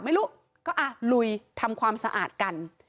ไม่รู้ก็ลุยทำความสะอาดกัน